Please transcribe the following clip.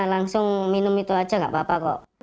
langsung minum itu aja gak apa apa kok